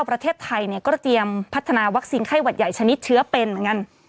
ประเทศไทยก็เตรียมพัฒนาวัคซีนไข้หวัดใหญ่ชนิดเชื้อเป็นเหมือนกัน